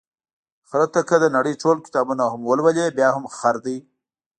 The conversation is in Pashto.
خره ته که د نړۍ ټول کتابونه هم ولولې، بیا هم خر دی.